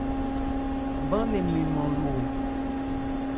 Bán nne mɛ́n nman lo ɛ ?